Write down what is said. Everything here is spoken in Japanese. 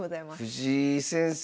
藤井先生